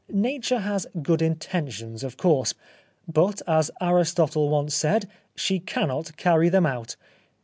Nature has good in tentions, of course, but, as Aristotle once said, she cannot carry them out.